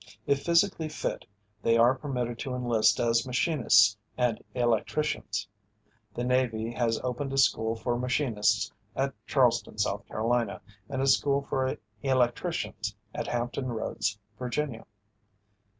If physically fit they are permitted to enlist as machinists and electricians. The Navy has opened a school for machinists at Charleston, S.C., and a school for electricians at Hampton Roads, Va.